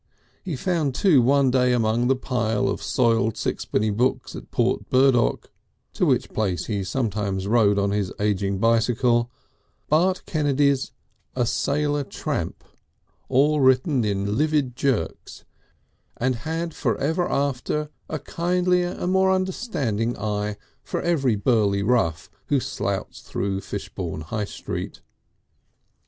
He found too one day among a pile of soiled sixpenny books at Port Burdock, to which place he sometimes rode on his ageing bicycle, Bart Kennedy's "A Sailor Tramp," all written in livid jerks, and had forever after a kindlier and more understanding eye for every burly rough who slouched through Fishbourne High Street.